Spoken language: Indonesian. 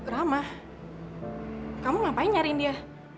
ramah kamu ngapain nyariin dia